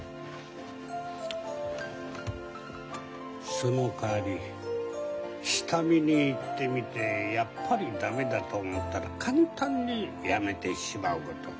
そのかわり下見に行ってみてやっぱり駄目だと思ったら簡単にやめてしまうこと。